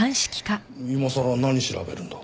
今さら何調べるんだ？